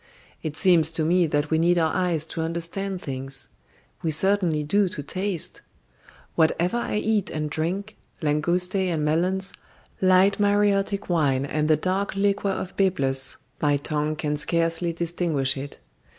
It seems to me that we need our eyes to understand things. We certainly do to taste. Whatever I eat and drink langustae and melons, light Mareotic wine and the dark liquor of Byblus my tongue can scarcely distinguish it.